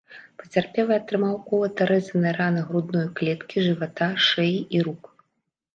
Пацярпелы атрымаў колата-рэзаныя раны грудной клеткі, жывата, шыі і рук.